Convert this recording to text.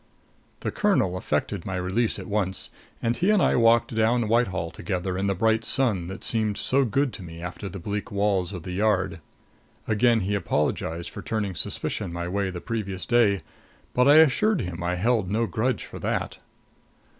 The colonel effected my release at once; and he and I walked down Whitehall together in the bright sun that seemed so good to me after the bleak walls of the Yard. Again he apologized for turning suspicion my way the previous day; but I assured him I held no grudge for that.